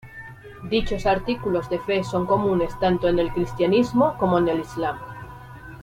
Dichos artículos de fe son comunes tanto en el cristianismo como en el islam.